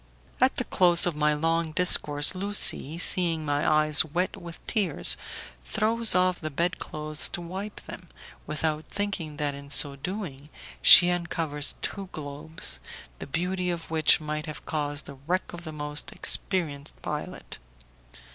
At the close of my long discourse Lucie, seeing my eyes wet with tears, throws off the bed clothes to wipe them, without thinking that in so doing she uncovers two globes, the beauty of which might have caused the wreck of the most experienced pilot.